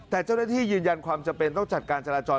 แต่เจ้าหน้าที่ยืนยันความจำเป็นต้องจัดการจราจร